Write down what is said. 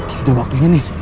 ini udah waktunya nih